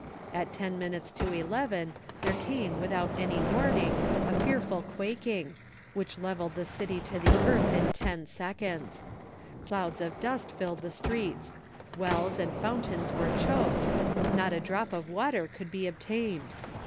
At ten minutes to eleven there came without any warning a fearful quaking, which levelled the city to the earth in ten seconds; clouds of dust filled the streets; wells and fountains were choked; not a drop of water could be obtained.